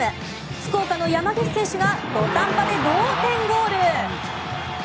福岡の山岸選手が土壇場で同点ゴール。